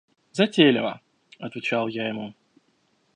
– Затейлива, – отвечал я ему.